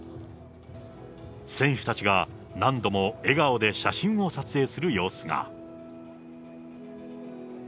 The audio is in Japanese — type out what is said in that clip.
選手たちが何度も笑顔で写真を撮影する様子が。